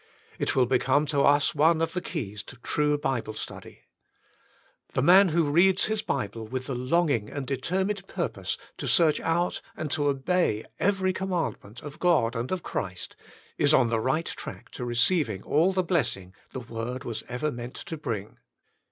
It will become to us one of the keys to true Bible study. The man who reads his Bible with the Keeping Christ's Commandments 59 longing and determined purpose to Search out AND TO Obey Every Commandment of God and OF Christ, is on the right track to receiving all the blessing the Word was ever meant to bring.